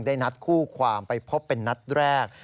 ได้นัดคู่ความไปพบเป็นนัดแรก